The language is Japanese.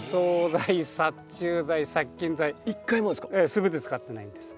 すべて使ってないんです。